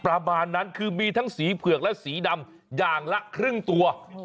ประมาณนั้นคือมีทั้งสีเผือกและสีดำอย่างละครึ่งตัว